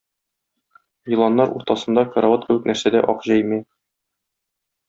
Еланнар уртасында, карават кебек нәрсәдә ак җәймә.